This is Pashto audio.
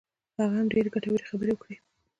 هغه هم ډېرې ګټورې خبرې وکړې.